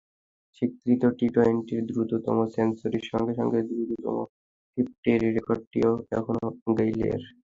স্বীকৃত টি-টোয়েন্টির দ্রুততম সেঞ্চুরির সঙ্গে সঙ্গে দ্রুততম ফিফটির রেকর্ডটিও এখন গেইলের।